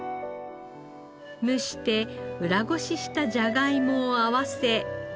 蒸して裏ごししたじゃがいもを合わせ。